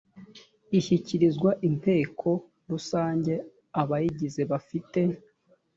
ishyikirizwa inteko rusange abayigize bafite